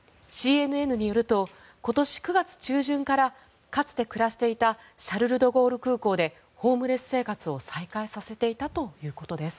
ＣＮＮによると今年９月中旬からかつて暮らしていたシャルル・ドゴール空港でホームレス生活を再開させていたということです。